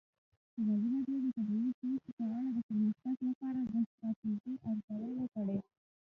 ازادي راډیو د طبیعي پېښې په اړه د پرمختګ لپاره د ستراتیژۍ ارزونه کړې.